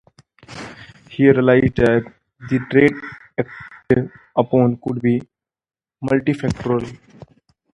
He realized that the traits acted upon could be multifactorial.